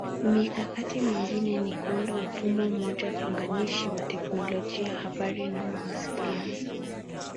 Mikakati mingine ni kuunda mfumo mmoja funganishi wa Teknolojia Habari na Mawasiliano